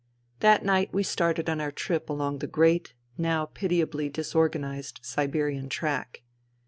That night we started on our trip along the great, now pitiably disorganized Siberian track.